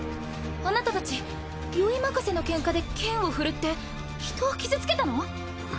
あなたたち酔い任せのケンカで剣を振るって人を傷つけたの！？